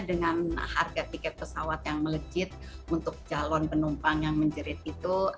dengan harga tiket pesawat yang melejit untuk calon penumpang yang menjerit itu